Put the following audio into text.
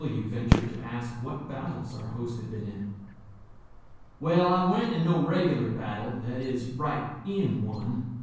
W ventured to ask what battles our host had been in. "Well, I wa'n't in no reg'lar battle, that is, right in one.